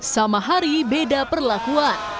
sama hari beda perlakuan